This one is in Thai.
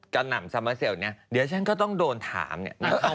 กระเทยเก่งกว่าเออแสดงความเป็นเจ้าข้าว